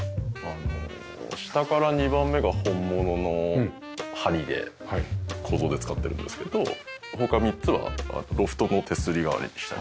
下から２番目が本物の梁で構造で使ってるんですけど他３つはロフトの手すり代わりにしたり。